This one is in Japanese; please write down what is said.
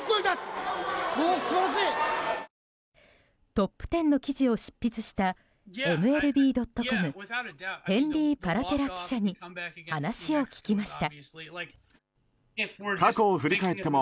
トップ１０の記事を執筆したＭＬＢ．ｃｏｍヘンリー・パラテラ記者に話を聞きました。